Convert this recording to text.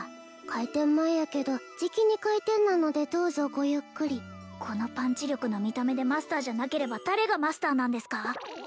開店前やけどじきに開店なのでどうぞごゆっくりこのパンチ力の見た目でマスターじゃなければ誰がマスターなんですか？